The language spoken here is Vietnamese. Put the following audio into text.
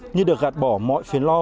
như được gạt bỏ mọi phiến lo